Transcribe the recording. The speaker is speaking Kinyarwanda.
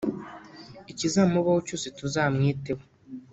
ikizamubaho cyose tuzamwiteho